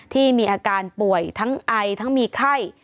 ที่มีอาการป่วยทั้งไอทั้งมีไข้